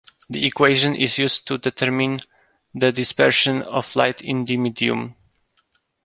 The equation is used to determine the dispersion of light in the medium.